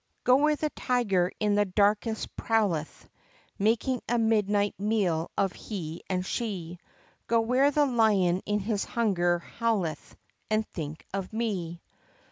Go where the tiger in the darkness prowleth, Making a midnight meal of he and she; Go where the lion in his hunger howleth, And think of me!